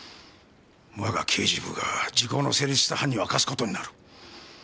我が刑事部が時効の成立した犯人を明かす事になる。